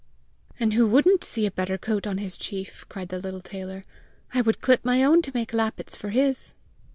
"And who wouldn't see a better coat on his chief!" cried the little tailor. "I would clip my own to make lappets for his!"